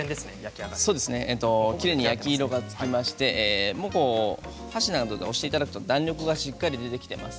きれいに焼き色がつきまして箸などで押していただくと弾力がしっかり出ております。